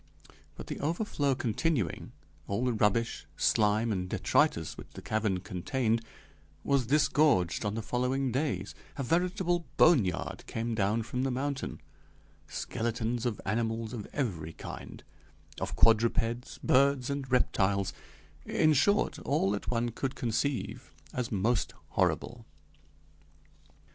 But the overflow continuing, all the rubbish, slime, and detritus which the cavern contained was disgorged on the following days; a veritable bone yard came down from the mountain: skeletons of animals of every kind of quadrupeds, birds, and reptiles in short, all that one could conceive as most horrible.